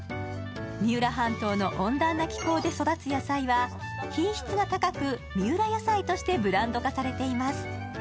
三浦半島の温暖な気候で育つ野菜は、品質が高く、三浦野菜としてブランド化されています。